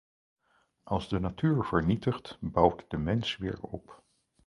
Als de natuur vernietigt bouwt de mens weer op.